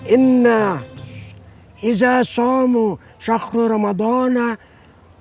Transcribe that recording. inna izzasomu syakhru ramadhanah